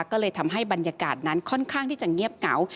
ก็เลยทำให้บรรยากาศนั้นค่อนข้างที่จะเงียบเหงา